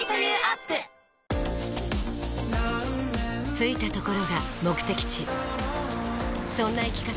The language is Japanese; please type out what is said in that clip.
着いたところが目的地そんな生き方